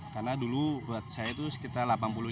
karena dulu berat saya itu sekitar delapan puluh lima